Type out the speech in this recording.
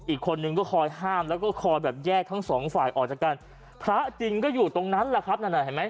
อีกคนหนึ่งก็คอยห้ามแล้วก็คอยแยกทั้งสองฝ่ายออกจากการพระจริงก็อยู่ตรงนั้นแหละครับ